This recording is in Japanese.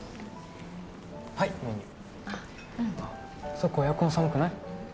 そこエアコン寒くない？